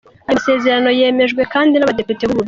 Ayo masezerano yemejwe kandi n’abadepite b’u Bubiligi.